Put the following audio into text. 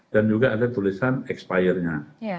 dan juga ada tulisan expirernya